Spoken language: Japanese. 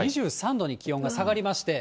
２３度に気温が下がりまして。